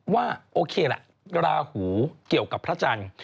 ว่าโอเคละราหูเกี่ยวกับพระจันทร์